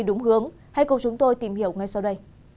đúng hướng hãy cùng chúng tôi tìm hiểu ngay sau đây